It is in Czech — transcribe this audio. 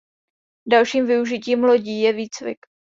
Dalším využitím lodí je výcvik.